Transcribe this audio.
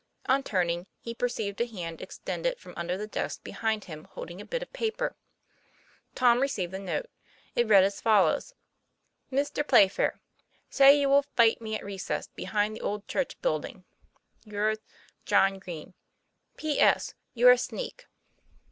On turning, he per ceived a hand extended from under the desk behind him, holding a bit of paper. Tom received the note. It read as follows: MISTER PLAYFAIR: Say will you fite me at recess, behind the old church bilding. Yrs., JOHN GREEN. P. S. You're a sneak.